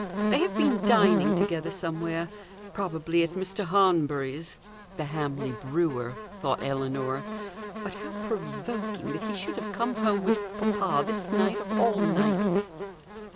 "They have been dining together somewhere. Probably at Mr. Hanbury's" (the Hamley brewer), thought Ellinor. "But how provoking that he should have come home with papa this night of all nights!"